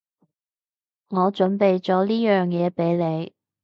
我準備咗呢樣嘢畀你